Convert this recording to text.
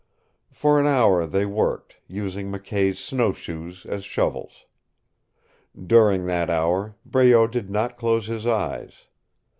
For an hour they worked, using McKay's snowshoes as shovels. During that hour Breault did not close his eyes.